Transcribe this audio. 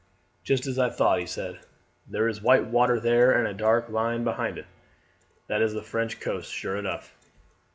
"Just as I thought," he said. "There is white water there and a dark line behind it. That is the French coast, sure enough."